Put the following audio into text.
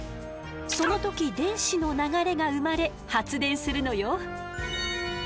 その時電子の流れが生まれ発電するのよ。